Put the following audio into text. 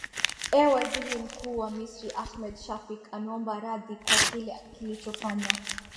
eeh waziri mkuu wa misri ahmed shafik ameomba radhi kwa kile kilichofanywa